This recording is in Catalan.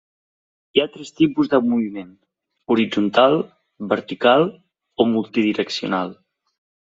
Hi ha tres tipus de moviment: horitzontal, vertical o multidireccional.